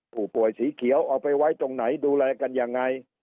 สีเขียวเอาไปไว้ตรงไหนดูแลกันยังไง